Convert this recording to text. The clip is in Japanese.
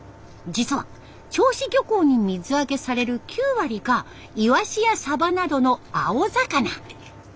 実は銚子漁港に水揚げされる９割がイワシやサバなどの青魚。